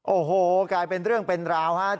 โอ้โหกลายเป็นเรื่องเป็นราวครับ